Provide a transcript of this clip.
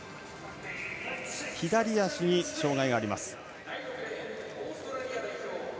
左足に障がいがあります。